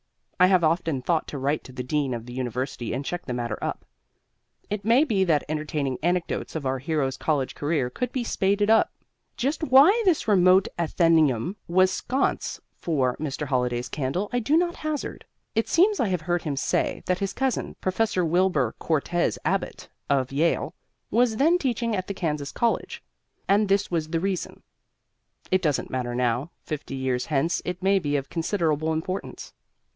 I have often thought to write to the dean of the university and check the matter up. It may be that entertaining anecdotes of our hero's college career could be spaded up. Just why this remote atheneum was sconce for Mr. Holliday's candle I do not hazard. It seems I have heard him say that his cousin, Professor Wilbur Cortez Abbott (of Yale) was then teaching at the Kansas college, and this was the reason. It doesn't matter now; fifty years hence it may be of considerable importance.